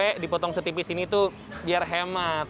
oke dipotong setipis ini tuh biar hemat